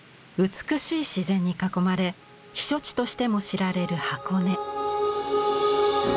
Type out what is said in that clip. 美しい自然に囲まれ避暑地としても知られる箱根。